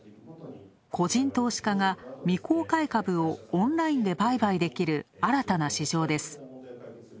個人投資家が未公開株をオンラインで売買できる新たな市場です。